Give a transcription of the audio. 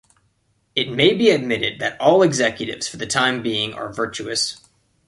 It may be admitted that all executives for the time being are virtuous.